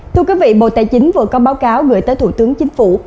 thưa quý vị bộ tài chính vừa có báo cáo gửi tới thủ tướng chính phủ